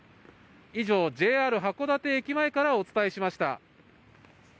以上、ＪＲ函館駅前からお伝えしました。